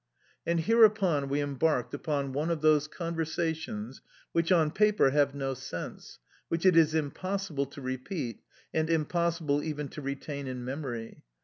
And hereupon we embarked upon one of those conversations which, on paper, have no sense, which it is impossible to repeat, and impossible even to retain in memory.